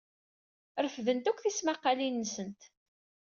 Refdent akk tismaqqalin-nsent.